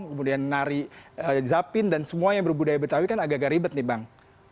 kemudian nari zapin dan semua yang berbudaya betawi kan agak agak ribet nih bang